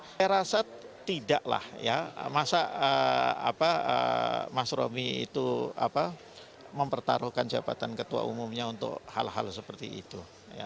saya rasa tidak lah ya masa mas romi itu mempertaruhkan jabatan ketua umumnya untuk hal hal seperti itu